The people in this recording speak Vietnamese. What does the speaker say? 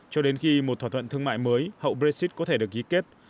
cho đến khi một thỏa thuận thương mại mới hậu brexit có thể được ghi kết